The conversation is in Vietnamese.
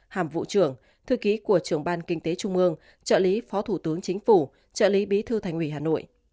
hàm vụ trưởng thư ký của trưởng ban kinh tế trung ương trợ lý phó thủ tướng chính phủ trợ lý bí thư thành ủy hà nội